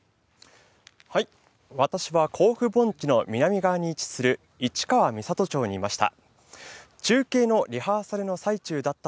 私は甲府盆地の南側に位置する市川三郷町にいました。